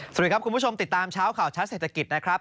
สวัสดีครับคุณผู้ชมติดตามเช้าข่าวชัดเศรษฐกิจนะครับ